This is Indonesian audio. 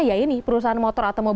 ya ini perusahaan motor atau mobil